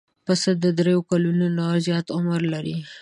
پسه د درېیو کلونو نه زیات عمر لري.